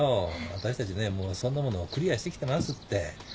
私たちねもうそんなものクリアしてきてますって。